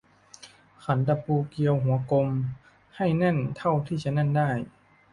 ขันตะปูเกลียวหัวกลมให้แน่นเท่าที่จะแน่นได้